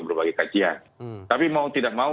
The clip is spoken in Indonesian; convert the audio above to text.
berbagai kajian tapi mau tidak mau